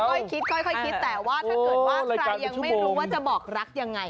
ค่อยคิดค่อยคิดแต่ว่าถ้าเกิดว่าใครยังไม่รู้ว่าจะบอกรักยังไง